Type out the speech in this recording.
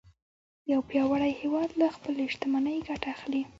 یو پیاوړی هیواد له خپلې شتمنۍ ګټه اخلي